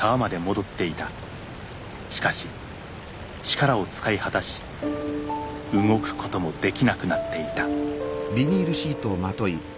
しかし力を使い果たし動くこともできなくなっていた。